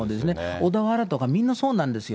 小田原とかみんなそうなんですよ。